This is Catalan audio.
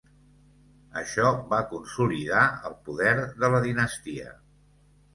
Això va consolidar el poder de la dinastia.